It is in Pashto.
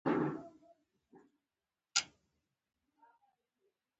تر ډوډۍ وروسته مو یوه لنډه غونډه لرله.